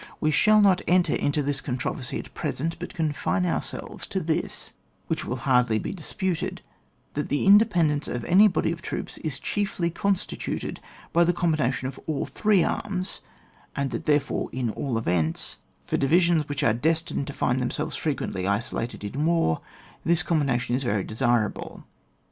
We shall not enter into this controversy at present, but confine ourselves to this which will hardly be dis puted, that the independence of any body of troops is chiefly constituted by the combination of the three arms, and that, therefore, at all events, for divi sions which are destined to find them selves frequently isolated in war, this combination is very desirable.